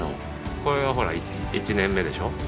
これがほら１年目でしょ。